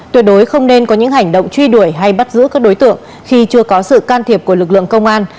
tuyệt đối không nên có những hành động truy đuổi hay bắt giữ các đối tượng khi chưa có sự can thiệp của lực lượng công an